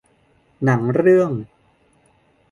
หนังเรื่อง